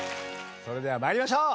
それでは参りましょう。